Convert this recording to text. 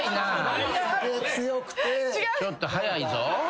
ちょっと早いぞ。